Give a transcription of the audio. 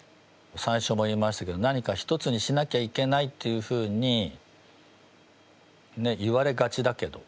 最初も言いましたけど何か１つにしなきゃいけないっていうふうに言われがちだけど。